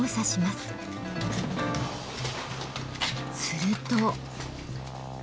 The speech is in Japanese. すると。